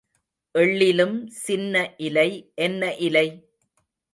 எள்ளிலும் சின்ன இலை என்ன இலை?